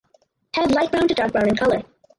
Head light brown to dark brown in color.